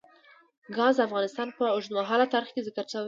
ګاز د افغانستان په اوږده تاریخ کې ذکر شوی دی.